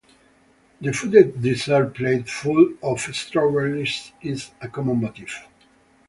The footed dessert plate full of strawberries is a common motif.